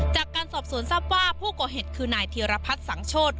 จากการสอบสวนทรัพย์ว่าผู้ก่อเหตุคือนายธีรพัฒน์สังโชธ